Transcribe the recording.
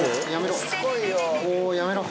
やめろ。